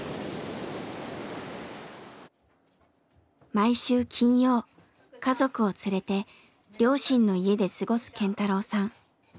毎週金曜家族を連れて両親の家で過ごす健太郎さん。